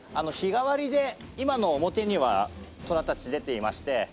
日替わりで今の表にはトラたち出ていまして。